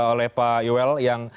oleh pak yowel yang